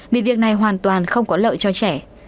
vì việc này hoàn toàn không có lợi cho trẻ